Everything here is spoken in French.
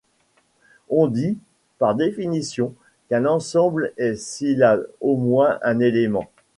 On dit, par définition, qu'un ensemble est s'il a au moins un élément.